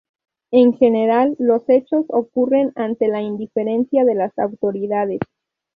En general, los hechos ocurren ante la indiferencia de las autoridades.